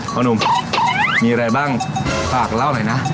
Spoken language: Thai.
หนุ่มมีอะไรบ้างฝากเล่าหน่อยนะ